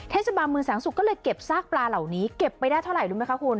เทศบาลเมืองแสงสุกก็เลยเก็บซากปลาเหล่านี้เก็บไปได้เท่าไหร่รู้ไหมคะคุณ